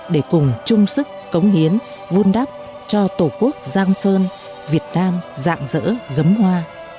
để cùng chung sức cống hiến vun đắp cho tổ quốc giang sơn việt nam dạng dỡ gấm hoa